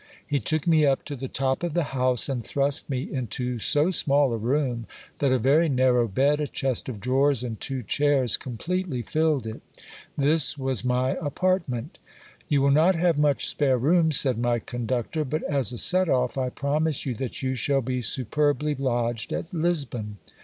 He took me up to the top of the house, and thrust me into so small a room, that a very narrow bed, a chest of drawers, and two chairs completely filled it This was my apartment You will not have much spare room, said my conductor, but as a set off, I promise you that you shall be superbly lodged at Lisbon.